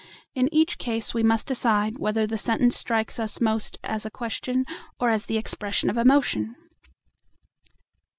In each case we must decide whether the sentence strikes us most as a question or as the expression of emotion.